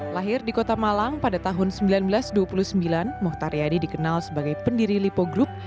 lahir di kota malang pada tahun seribu sembilan ratus dua puluh sembilan mohtar yadi dikenal sebagai pendiri lipo group